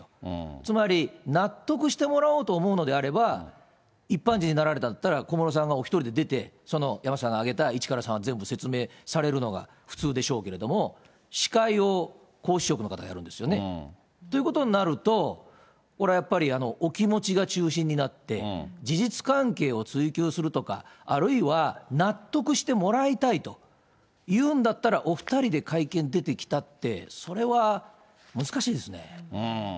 つまり納得してもらおうというのであれば、一般人になられたんだったら、小室さんがお１人で出て、その山下さんが挙げた１から３は全部説明されるのが普通でしょうけれども、司会を皇嗣職の方がやるんですよね。ということになると、これやっぱり、お気持ちが中心になって、事実関係を追及するとか、あるいは納得してもらいたいというんだったら、お２人で会見出てきたって、それは難しいですね。